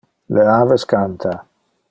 Le aves canta.